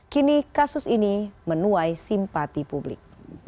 kini kasus ini menuai simpati publik